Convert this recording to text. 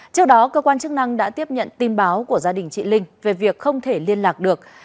trước đó cơ quan chức năng đã tiếp nhận tin báo của gia đình chị linh về việc không thể liên lạc được